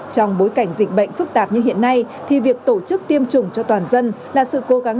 trong bối cảnh dịch bệnh phức tạp như hiện nay thì việc tổ chức tiêm chủng cho toàn dân là sự cố gắng